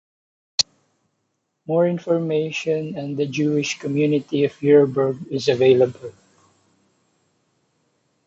More information on the Jewish community of Yurburg is available.